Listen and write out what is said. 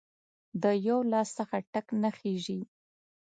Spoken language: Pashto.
د یو لاس څخه ټک نه خیژي